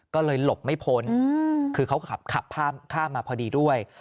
ก็เลยหลบไม่พ้นคือเขาขับข้ามมาพอดีด้วย